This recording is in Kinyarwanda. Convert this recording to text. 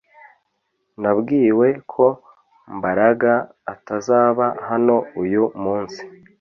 Nabwiwe ko Mbaraga atazaba hano uyu munsi